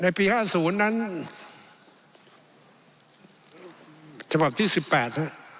ในปี๕๐นั้นฉบับที่๑๘ครับ